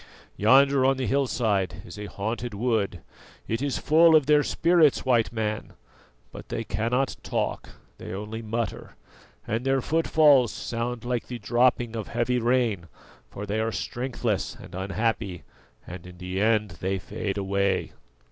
Yonder on the hillside is a haunted wood; it is full of their spirits, White Man, but they cannot talk, they only mutter, and their footfalls sound like the dropping of heavy rain, for they are strengthless and unhappy, and in the end they fade away."